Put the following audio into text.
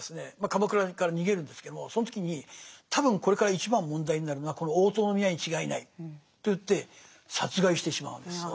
鎌倉から逃げるんですけどもその時に多分これから一番問題になるのはこの大塔宮に違いないと言って殺害してしまうんですよ